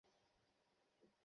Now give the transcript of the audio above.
এটাই প্রথম নয়।